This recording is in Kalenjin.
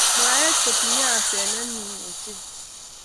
mwaet kotinyei asenet nyuu ochei